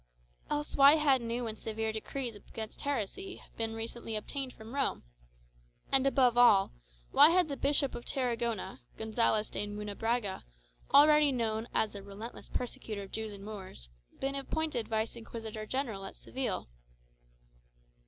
Else why had new and severe decrees against heresy been recently obtained from Rome? And above all, why had the Bishop of Terragona, Gonzales de Munebrãga, already known as a relentless persecutor of Jews and Moors, been appointed Vice Inquisitor General at Seville?